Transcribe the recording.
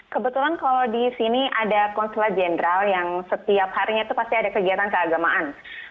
kebetulan kalau di sini ada konsulat jenderal yang setiap harinya itu pasti ada kegiatan keagamaan